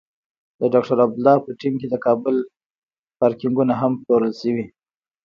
د ډاکټر عبدالله په ټیم کې د کابل پارکېنګونه هم پلورل شوي.